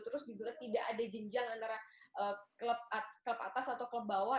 terus juga tidak ada jenjang antara klub atas atau klub bawah